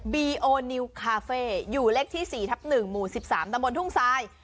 ีโอนิวคาเฟ่อยู่เลขที่๔ทับ๑หมู่๑๓ตะบนทุ่งทราย